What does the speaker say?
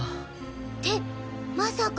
ってまさか。